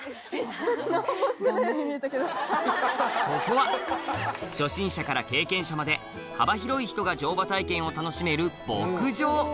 ここは初心者から経験者まで幅広い人が乗馬体験を楽しめる牧場